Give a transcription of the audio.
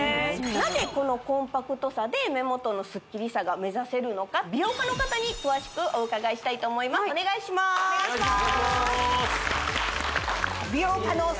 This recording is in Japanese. なぜこのコンパクトさで目元のスッキリさが目指せるのか美容家の方に詳しくお伺いしたいと思いますお願いしまーすお願いしまーす